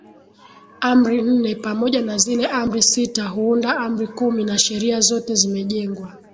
Amri nne pamoja na zile Amri sita huunda Amri kumi na sheria zote zimejengwa